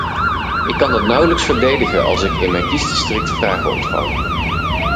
Ik kan dat nauwelijks verdedigen als ik in mijn kiesdistrict vragen ontvang.